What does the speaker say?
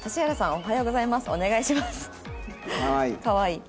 かわいい。